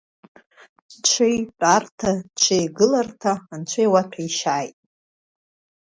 Ҽеи тәарҭа, ҽеи гыларҭа анцәа иуаҭәеи-шьааит!